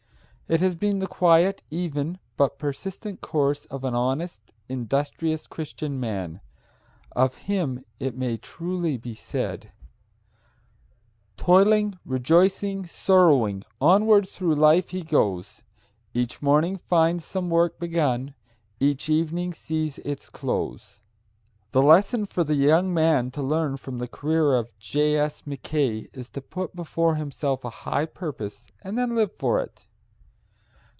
It has been the quiet, even, but persistent course of an honest, industrious Christian man. Of him it may truly be said: "Toiling, rejoicing, sorrowing, Onward through life he goes; Each morning finds some work begun, Each evening sees its close." The lesson for the young man to learn from the career of J. S. Mackay is to put before himself a high purpose and then live for it.